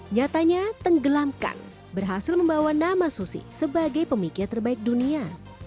nyatanya tenggelamkan berhasil membawa nama susi sebagai pemikir terbaik dunia